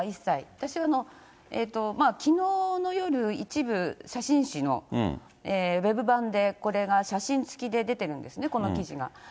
私はきのうの夜、一部写真誌のウェブ版でこれが、写真付きで出てるんですね、この記事が。